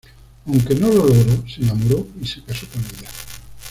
Aunque no lo logró, se enamoró y se casó con ella.